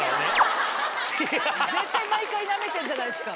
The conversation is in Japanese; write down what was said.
絶対毎回なめてるじゃないですか。